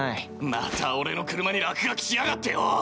またオレの車に落書きしやがってよ！